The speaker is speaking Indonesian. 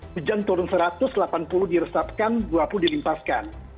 hujan turun satu ratus delapan puluh diresapkan dua puluh dilimpaskan